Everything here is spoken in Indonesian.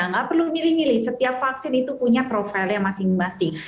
nggak perlu milih milih setiap vaksin itu punya profilnya masing masing